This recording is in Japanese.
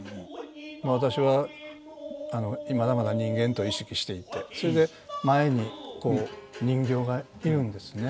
私はまだまだ人間と意識していてそれで前にこう人形がいるんですね。